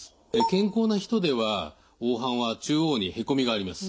健康な人では黄斑は中央にへこみがあります。